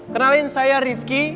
kenalin saya rifqi